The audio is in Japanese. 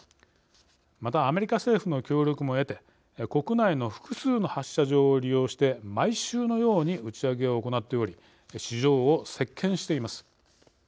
また、アメリカ政府の協力も得て国内の複数の発射場を利用して毎週のように打ち上げを行っており市場を席巻しています。